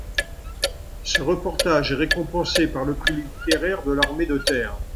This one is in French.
Ce reportage est récompensé par le prix littéraire de l’armée de terre.